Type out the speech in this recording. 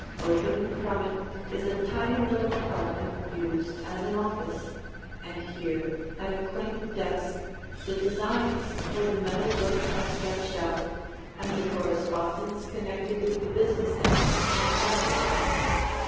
Opening from it is a tiny little apartment used as an office, and here at a quaint desk, the designs for the metal work are sketched out, and the correspondence connected with the business end transacted.